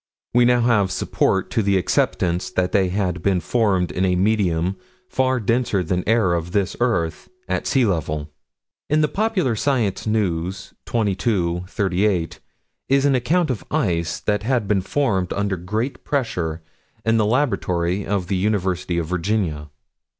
We now have support to the acceptance that they had been formed in a medium far denser than air of this earth at sea level. In the Popular Science News, 22 38, is an account of ice that had been formed, under great pressure, in the laboratory of the University of Virginia.